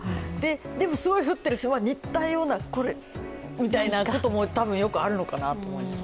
でも、すごい降ってるし似たようなこれみたいなことも多分よくあるのかなと思います。